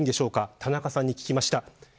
田中さんに聞きました。